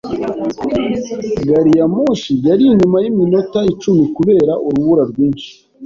Gari ya moshi yari inyuma yiminota icumi kubera urubura rwinshi.